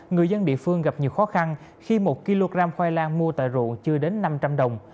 người dân địa phương gặp nhiều khó khăn khi một kg khoai lang mua tại rượu chưa đến năm trăm linh đồng